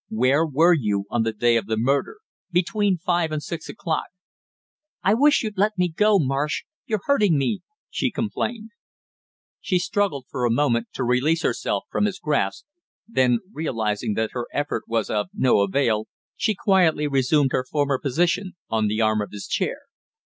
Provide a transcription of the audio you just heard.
Where were you on the day of the murder, between five and six o'clock?" "I wish you'd let me go, Marsh; you're hurting me " she complained. She struggled for a moment to release herself from his grasp, then realizing that her effort was of no avail, she quietly resumed her former position on the arm of his chair.